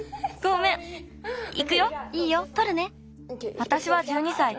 わたしは１２さい。